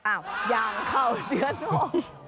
อ้าวยังเขาเดือนหก